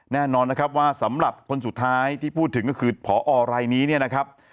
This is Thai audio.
แน่นอนนะครับว่าสำหรับคนสุดท้ายที่พูดถึงก็คือพอรายนี้เนี่ยนะครับ